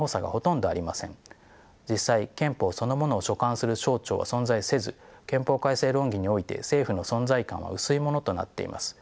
実際憲法そのものを所管する省庁は存在せず憲法改正論議において政府の存在感は薄いものとなっています。